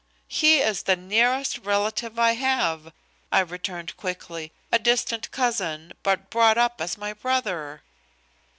"He is the nearest relative I have," I returned quickly, "a distant cousin, but brought up as my brother."